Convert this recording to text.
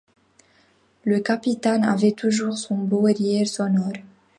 Le capitaine avait toujours son beau rire sonore.